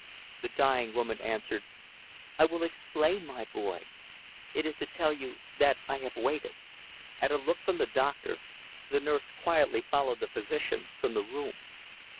The dying woman answered. "I will explain, my boy. It is to tell you, that I have waited." At a look from the doctor, the nurse quietly followed the physician from the room.